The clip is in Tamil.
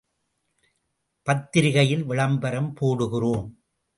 பத்திரிகையில் விளம்பரம் போடுகிறோம்.